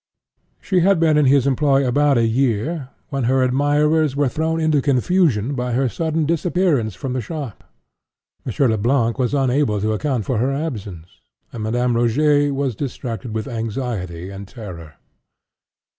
She had been in his employ about a year, when her admirers were thrown info confusion by her sudden disappearance from the shop. Monsieur Le Blanc was unable to account for her absence, and Madame Rogêt was distracted with anxiety and terror.